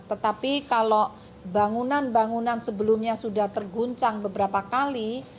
tetapi kalau bangunan bangunan sebelumnya sudah terguncang beberapa kali